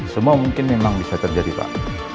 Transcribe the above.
semua mungkin memang bisa terjadi pak